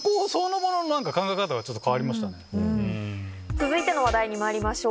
続いての話題にまいりましょう。